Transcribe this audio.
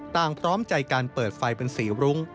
พร้อมใจการเปิดไฟเป็นสีรุ้ง